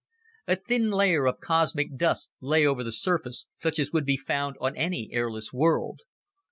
A thin layer of cosmic dust lay over the surface, such as would be found on any airless world.